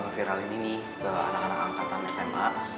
ngeviralin ini ke anak anak angkatan sma